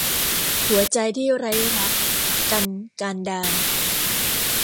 หัวใจที่ไร้รัก - กันย์ กานดา